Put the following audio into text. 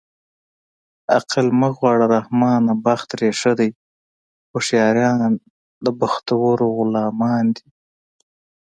عقل مه غواړه رحمانه بخت ترې ښه دی هوښیاران د بختورو غلامان دي